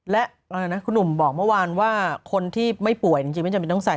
และอะไรนะคุณหนุ่มบอกเมื่อวานว่าคนที่ไม่ป่วยจริงไม่จำเป็นต้องใส่